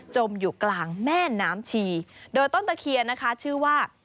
มอยู่กลางแม่น้ำชีโดยต้นตะเคียนนะคะชื่อว่า